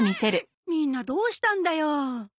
みんなどうしたんだよ。